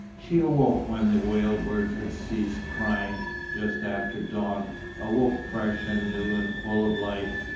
She awoke when the whale birds had ceased crying, just after dawn, awoke fresh and new and full of life.